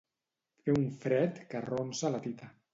Fer un fred que arronsa la tita.